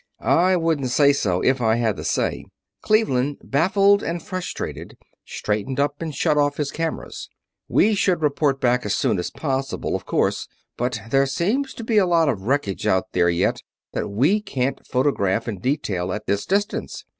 "I wouldn't say so, if I had the say." Cleveland, baffled and frustrated, straightened up and shut off his cameras. "We should report back as soon as possible, of course, but there seems to be a lot of wreckage out there yet that we can't photograph in detail at this distance.